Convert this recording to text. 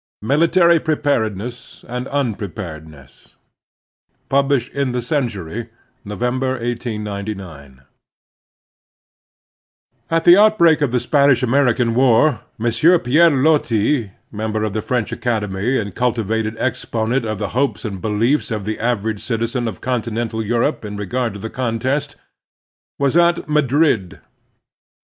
MILITARY PREPAREDNESS AND UNPREPAREDNESS Published in thi "Cbntvrt," Noveubek, 1899 X59 CHAPTER XI. MILITARY PREPAREDNESS AND UNPREPAREDNESS. AT the outbreak of the Spanish American war, M. Pierre Loti, member of the French Acad emy and ctdtivated exponent of the hopes and beliefs of the average citizen of continental Europe in regard to the contest, was at Madrid.